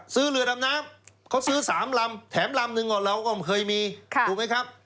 ซื้อเรือดำน้ำเขาซื้อ๓ลำแถมลำนึงเราก็เคยมีถูกไหมครับ